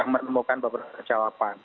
menemukan beberapa jawaban